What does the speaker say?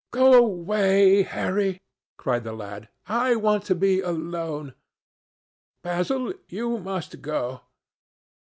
"Go away, Harry," cried the lad. "I want to be alone. Basil, you must go.